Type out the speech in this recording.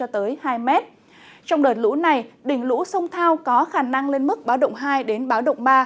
trong đợt lũ này đỉnh lũ sông thao có khả năng lên mức báo động hai đến báo động ba